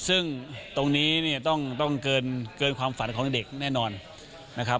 ซึ่งตรงนี้เนี่ยต้องเกินความฝันของเด็กแน่นอนนะครับ